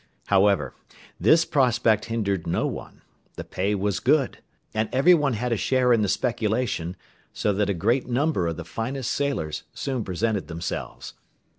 However, this prospect hindered no one; the pay was good, and everyone had a share in the speculation, so that a great number of the finest sailors soon presented themselves.